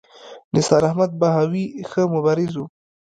نثار احمد بهاوي ښه مبارز و.